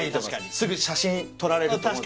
すぐ写真撮られると思う